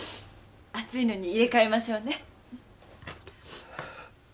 熱いのに入れ替えましょうね